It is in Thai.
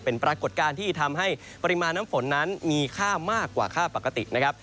เป็นปรากฏการณ์ที่ทำให้ปริมาณน้ำฝนนั้นมีค่ามากกว่าค่าปกตินะครับ